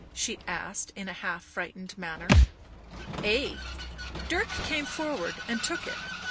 she asked in a half frightened manner. " Ay." Dirk came forward and took it.